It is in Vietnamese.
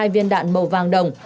ba mươi hai viên đạn màu vàng đồng